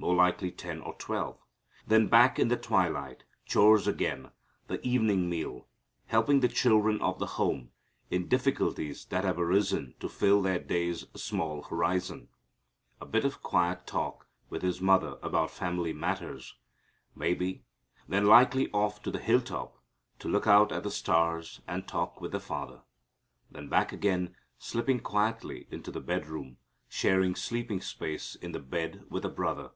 more likely ten or twelve. Then back in the twilight; chores again, the evening meal, helping the children of the home in difficulties that have arisen to fill their day's small horizon, a bit of quiet talk with His mother about family matters, maybe, then likely off to the hilltop to look out at the stars and talk with the Father; then back again, slipping quietly into the bedroom, sharing sleeping space in the bed with a brother.